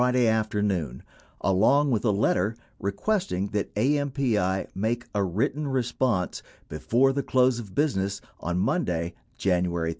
705 day afternoon along with a letter requesting that AMP I make a writ ten response before the close of business on Monday, January 31.